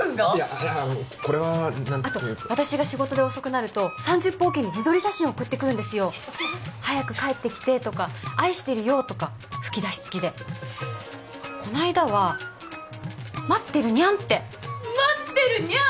いやこれは何ていうかあと私が仕事で遅くなると３０分おきに自撮り写真送ってくるんですよ「早く帰ってきて」とか「愛してるよ」とか吹き出し付きでこの間は「待ってるニャン」って待ってるニャン！？